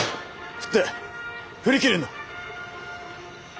振って振り切るんだ。